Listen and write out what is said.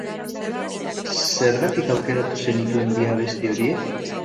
Zergatik aukeratu zenituen bi abesti horiek?